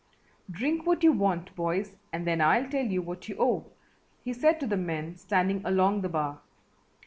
"Drink what you want, boys, and then I'll tell you what you owe," he said to the men standing along the bar.